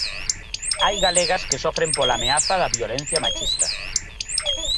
Hai galegas que sofren pola ameaza da violencia machista.